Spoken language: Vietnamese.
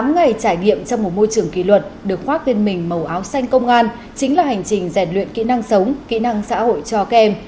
tám ngày trải nghiệm trong một môi trường kỷ luật được khoác lên mình màu áo xanh công an chính là hành trình rèn luyện kỹ năng sống kỹ năng xã hội cho các em